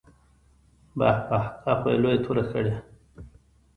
بح بح دا خو يې لويه توره کړې.